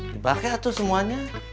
dipakai atuh semuanya